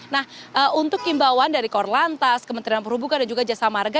nah untuk imbauan dari korlantas kementerian perhubungan dan juga jasa marga